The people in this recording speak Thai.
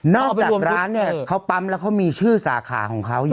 ร้านเนี่ยเขาปั๊มแล้วเขามีชื่อสาขาของเขาอยู่